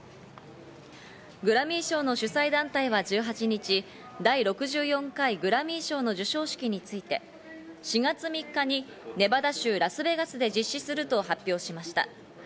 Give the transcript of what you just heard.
グラミー賞の主催団体は１８日、第６４回グラミー賞の授賞式について、４月３日にネバダ州ラスベガスで実施すると発表しました。